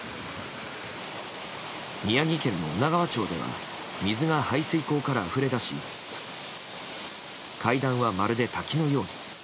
宮城県の女川町では水が排水溝からあふれ出し階段はまるで滝のように。